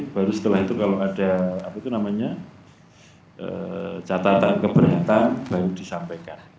baru setelah itu kalau ada catatan keberatan baru disampaikan